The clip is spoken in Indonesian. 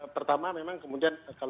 pertama memang kemudian